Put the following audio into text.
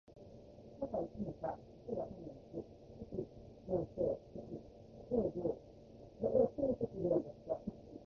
多が一の多、一が多の一、動即静、静即動として、